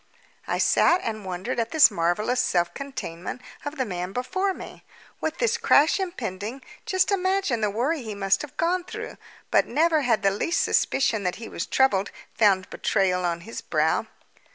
I sat and wondered at the marvellous self containment of the man before me. With this crash impending, just imagine the worry he must have gone through! But never had the least suspicion that he was troubled found betrayal on his brow.